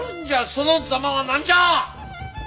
そのザマは何じゃ！